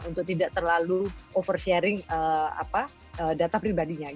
untuk tidak terlalu oversharing data pribadinya